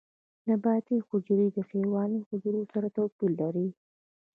نباتي حجرې د حیواني حجرو سره توپیر لري